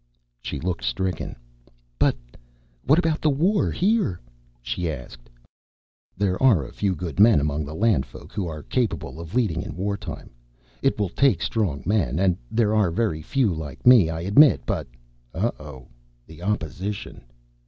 She looked stricken. "But what about the war here?" she asked. "There are a few men among the Landfolk who are capable of leading in wartime. It will take strong men, and there are very few like me, I admit, but oh, oh, opposition!"